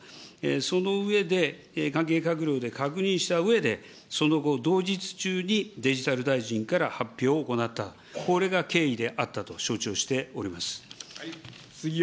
その上で、関係閣僚で確認したうえで、その後、同日中にデジタル大臣から発表を行った、これが経緯であったと承知をしております。